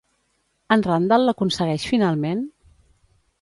En Randall l'aconsegueix finalment?